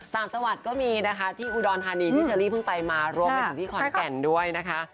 สรรสวรรค์ก็มีนะคะที่อุดรธานีที่ชัลลี่เพิ่งไปมารวมไปถึงที่ขอนแก่นด้วยนะคะ